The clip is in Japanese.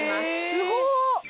すごっ！